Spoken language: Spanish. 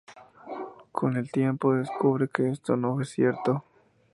Con el tiempo descubre que esto no es cierto.